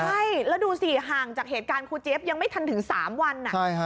ใช่แล้วดูสิห่างจากเหตุการณ์ครูเจี๊ยบยังไม่ทันถึง๓วัน